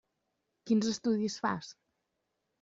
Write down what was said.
Quins estudis fas?